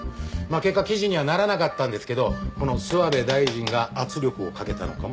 結果記事にはならなかったんですけどこの諏訪部大臣が圧力をかけたのかもしれませんね。